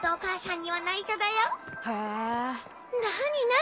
何？